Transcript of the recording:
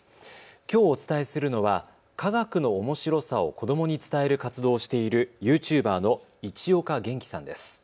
きょうお伝えするのは科学のおもしろさを子どもに伝える活動をしているＹｏｕＴｕｂｅｒの市岡元気さんです。